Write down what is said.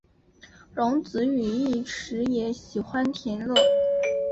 荣子与义持也喜欢田乐。